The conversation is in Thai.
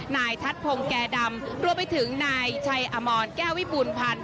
นายทัศน์พงษ์แก่ดำรวมไปถึงนายชายอามอนแก้ววิปุ่นพันธุ์